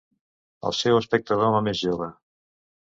El seu aspecte d'home més jove.